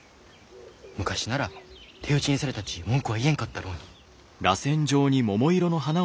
昔なら手討ちにされたち文句は言えんかったろうに。